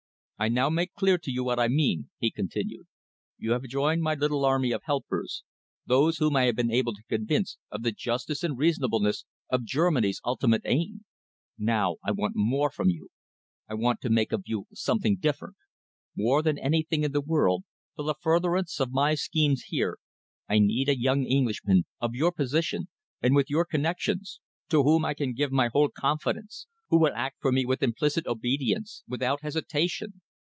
"I now make clear to you what I mean," he continued. "You have joined my little army of helpers, those whom I have been able to convince of the justice and reasonableness of Germany's ultimate aim. Now I want more from you. I want to make of you something different. More than anything in the world, for the furtherance of my schemes here, I need a young Englishman of your position and with your connections, to whom I can give my whole confidence, who will act for me with implicit obedience, without hesitation.